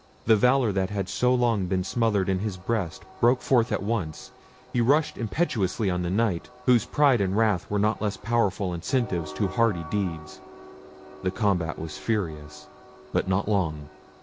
The valour that had so long been smothered in his breast broke forth at once; he rushed impetuously on the Knight, whose pride and wrath were not less powerful incentives to hardy deeds. The combat was furious, but not long.